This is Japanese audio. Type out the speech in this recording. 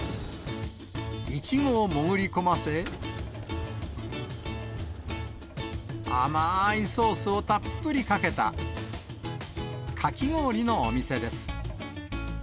いちごを潜り込ませ、あまーいソースをたっぷりかけた、かき氷のお店です。